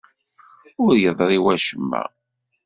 Ur yeḍṛi wacemma.